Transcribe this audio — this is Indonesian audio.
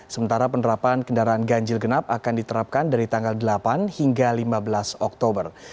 sementara penerapan kendaraan ganjil genap akan diterapkan dari tanggal delapan hingga lima belas oktober